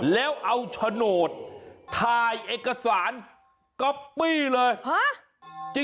แล้วเอาโฉนดถ่ายเอกสารก๊อปปี้เลย